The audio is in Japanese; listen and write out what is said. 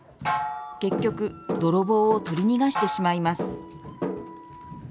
結局、泥棒を取り逃がしてしまいます。